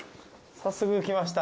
早速来ました。